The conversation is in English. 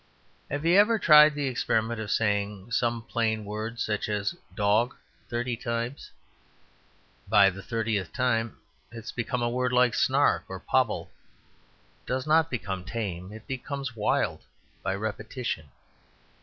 Have you ever tried the experiment of saying some plain word, such as "dog," thirty times? By the thirtieth time it has become a word like "snark" or "pobble." It does not become tame, it becomes wild, by repetition.